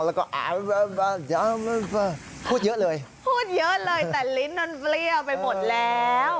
แล้วก็อายพูดเยอะเลยพูดเยอะเลยแต่ลิ้นนั้นเปรี้ยวไปหมดแล้ว